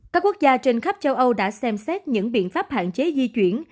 các quốc gia trên khắp châu âu đã xem xét những biện pháp hạn chế di chuyển